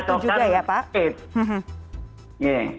itu yang mengatakan